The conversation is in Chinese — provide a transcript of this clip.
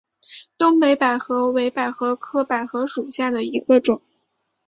东北百合为百合科百合属下的一个种。